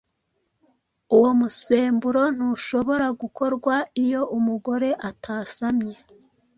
uwo musemburo ntushobora gukorwa iyo umugore atasamye,